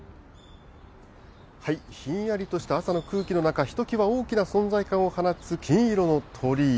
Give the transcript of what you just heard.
ひんやりとした朝の空気の中、ひときわ大きな存在感を放つ金色の鳥居。